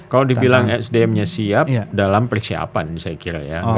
kalau dibilang sdmnya siap dalam persiapan saya kira ya